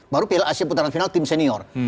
baru piala asia putaran final tim senior